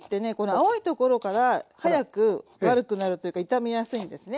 青いところから早く悪くなるというか傷みやすいんですね。